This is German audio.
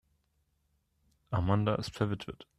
Amanda ist verwitwet.